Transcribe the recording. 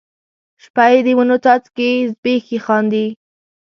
شپه یې د وینو څاڅکي زبیښي خاندي